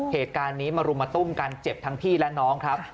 เหตุการณ์นี้มารุมมาตุ้มกันเจ็บทั้งพี่และน้องครับ